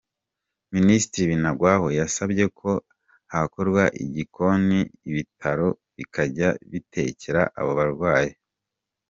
Minisitiri Binagwaho yasabye ko hakorwa igikoni ibitaro bikajya bitekera abo barwayi.